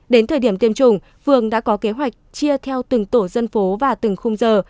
đến thời điểm tiêm chủng phường đã có kế hoạch chia theo từng tổ dân phố và từng khung giờ